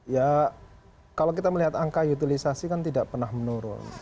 ya kalau kita melihat angka utilisasi kan tidak pernah menurun